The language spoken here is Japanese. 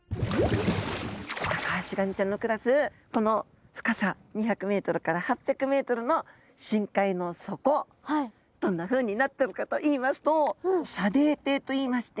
タカアシガニちゃんの暮らすこの深さ２００ｍから８００ｍの深海の底どんなふうになってるかといいますと砂泥底といいまして。